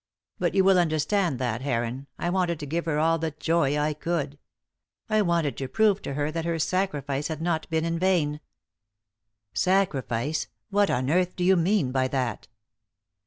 But you will understand that, Heron. I wanted to give her all the joy I could. I wanted to prove to her that her sacrifice had not been in vain." "Sacrifice? What on earth do you mean by that?"